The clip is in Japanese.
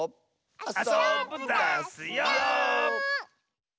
あそぶダスよ！